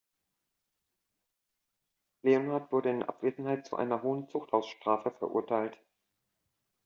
Leonhardt wurde in Abwesenheit zu einer hohen Zuchthausstrafe verurteilt.